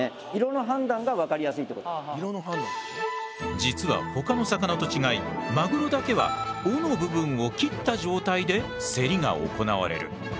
実はほかの魚と違いマグロだけは尾の部分を切った状態で競りが行われる。